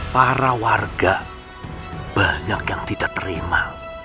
para warga banyak yang tidak terima